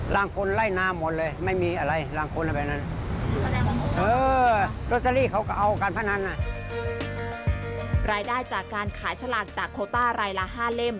รายได้จากการขายฉลากจากโควต้ารายละ๕เล่ม